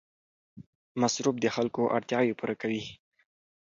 مصرف د خلکو اړتیاوې پوره کوي.